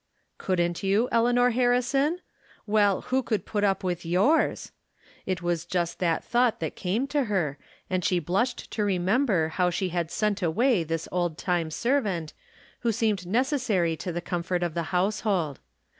Couldn't you, Eleanor Hamson? "Well, who could put up with yours? It was just that thought that came to her, and she blushed to re member how she had sent away this old time servant, who seemed necessary to the comfort of the household.